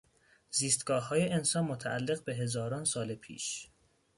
زیستگاههای انسان متعلق به هزاران سال پیش